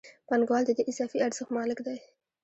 پانګوال د دې اضافي ارزښت مالک دی